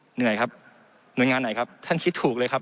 เหนื่อยครับหน่วยงานไหนครับท่านคิดถูกเลยครับ